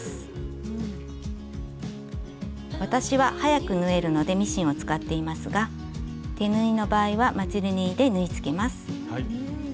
私は早く縫えるのでミシンを使っていますが手縫いの場合はまつり縫いで縫いつけます。